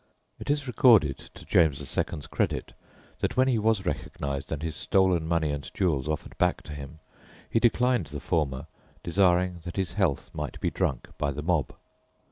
It is recorded, to James II.'s credit, that when he was recognised and his stolen money and jewels offered back to him, he declined the former, desiring that his health might be drunk by the mob.